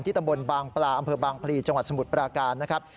ตำบลบางปลาอำเภอบางพลีจังหวัดสมุทรปราการนะครับ